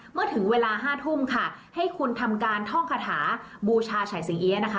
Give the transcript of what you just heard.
เมื่อถึงเวลาห้าทุ่มค่ะให้คุณทำการท่องคาถาบูชาฉัยสีเอี๊ยะนะคะ